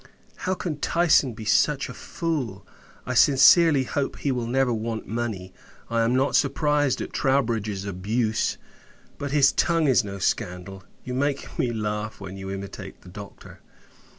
How can Tyson be such a fool! I sincerely hope, he will never want money. I am not surprised at Troubridge's abuse; but, his tongue is no scandal. You make me laugh, when you imitate the Doctor!